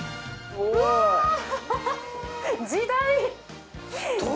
うわ時代！